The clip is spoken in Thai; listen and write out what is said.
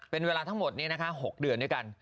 เป็นเวลาทั้งหมดนี้นะคะ๖เดือนด้วยกัน